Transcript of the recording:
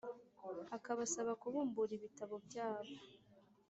akabasaba kubumbura ibitabo byabo